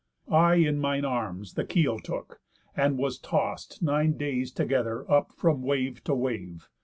I in mine arms the keel took, and was tost Nine days together up from wave to wave.